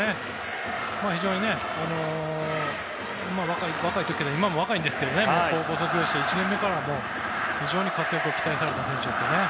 非常に若い時からというか今も若いんですけど高校卒業して１年目から活躍を期待された選手ですよね。